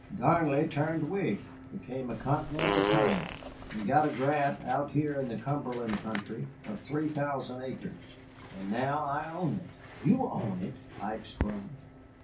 "Darnley turned Whig, became a Continental colonel, and got a grant out here in the Cumberland country of three thousand acres. And now I own it." "You own it!" I exclaimed.